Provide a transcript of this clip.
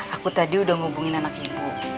aku tadi udah hubungin anak ibu